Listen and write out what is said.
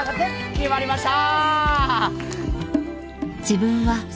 決まりました！